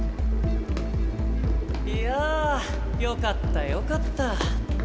いやよかったよかった。